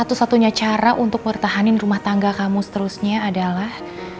satu satunya cara untuk bertahanin rumah tangga kamu seterusnya adalah